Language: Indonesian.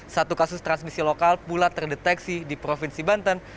satu kasus transmisi lokal pula terdeteksi di provinsi banten